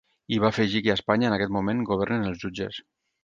I va afegir que a Espanya, en aquest moment, governen els jutges.